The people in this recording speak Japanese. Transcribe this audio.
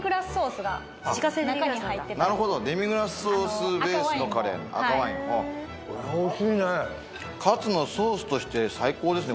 なるほどデミグラスソースベースのカレー赤ワイン・これはおいしいねカツのソースとして最高ですね